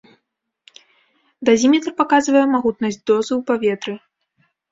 Дазіметр паказвае магутнасць дозы ў паветры.